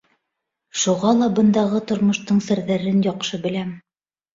Шуға ла бындағы тормоштоң серҙәрен яҡшы беләм.